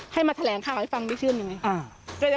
ให้มาแถลงข่าวให้ฟังได้ชื่นยังไง